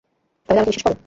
তাহলে আমাকে বিশ্বাস কর?